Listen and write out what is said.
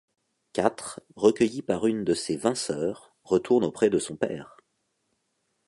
Quatre, recueilli par une de ses vingt sœurs, retourne auprès de son père.